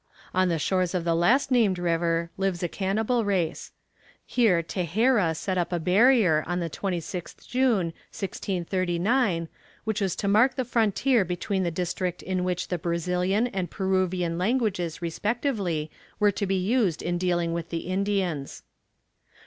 On the shores of the last named river lives a cannibal race. Here Texeira set up a barrier, on the 26th June, 1639, which was to mark the frontier between the district in which the Brazilian and Peruvian languages respectively were to be used in dealing with the Indians.